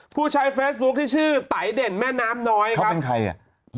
ผู้ใช้เฟซบุ๊คที่ชื่อไตเด่นแม่น้ำน้อยครับเป็นใครอ่ะ